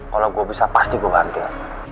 kalau gue bisa pasti gue bangkit